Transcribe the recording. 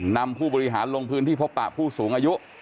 ผู้บริหารลงพื้นที่พบปะผู้สูงอายุ